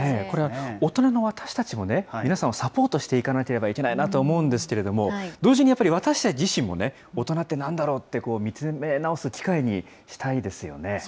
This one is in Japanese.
これは大人の私たちもね、皆さんをサポートしていかなければいけないなと思うんですけれども、同時にやっぱり私たち自身もね、大人ってなんだろうって見つめ直す機会にしたいですよね。